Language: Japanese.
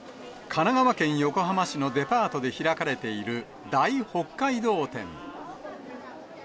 神奈川県横浜市のデパートで開かれている、大北海道展。